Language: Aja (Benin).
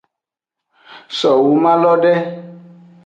So womalo de.